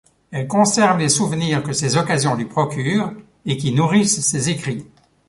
Elle conserve les souvenirs que ces occasions lui procurent et qui nourrissent ses écrits.